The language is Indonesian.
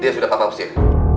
dia sudah papa usir